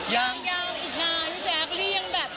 ยังยังอีกนานพี่แจ๊ค